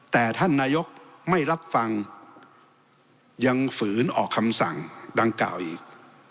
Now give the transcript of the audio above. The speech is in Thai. แต่ท่านนายกไม่รับฟังยังฝืนออกคำสั่งดังกล่าวอีก